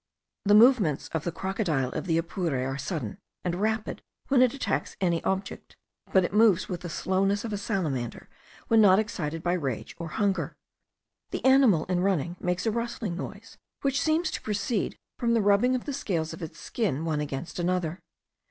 The movements of the crocodile of the Apure are sudden and rapid when it attacks any object; but it moves with the slowness of a salamander, when not excited by rage or hunger. The animal in running makes a rustling noise, which seems to proceed from the rubbing of the scales of its skin one against another.